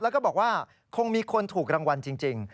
แล้วก็บอกว่าคงมีคนถูกรางวัลจริง